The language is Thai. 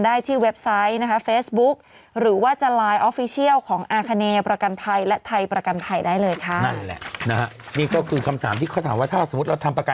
อ่าตามนั้นถูกไหมฮะอ่าแต่ว่าแผนมันมีอยู่แล้ว